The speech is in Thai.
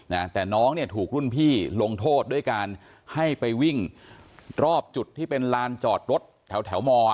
นะแต่น้องเนี่ยถูกรุ่นพี่ลงโทษด้วยการให้ไปวิ่งรอบจุดที่เป็นลานจอดรถแถวแถวมอ